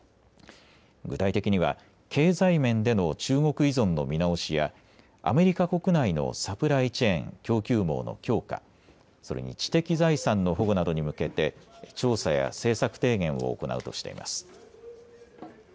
具体的には経済面での中国依存の見直しやアメリカ国内のサプライチェーン・供給網の強化、それに知的財産の保護などに向けて調査や政策提言を行うとしています。